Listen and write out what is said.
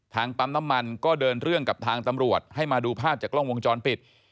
ปั๊มน้ำมันก็เดินเรื่องกับทางตำรวจให้มาดูภาพจากกล้องวงจรปิด